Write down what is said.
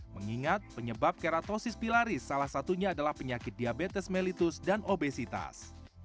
mengingat penyebab teratosis pilaris salah satunya adalah penyakit diabetes mellitus dan obesitas